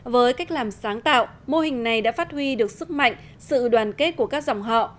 với cách làm sáng tạo mô hình này đã phát huy được sức mạnh sự đoàn kết của các dòng họ